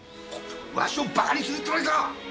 わしを馬鹿にするつもりか！